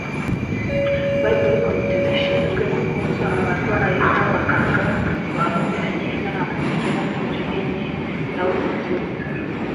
bari muri komite zishinzwe guhuza abarwayi n abaganga bakoranye inama zigera kuri enye n abakozi b ibitaro